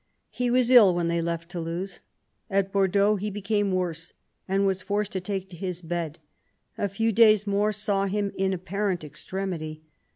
He was ill when they left Toulouse. At Bordeaux he became worse, and was forced to take to his bed; a few days more saw him in apparent extremity.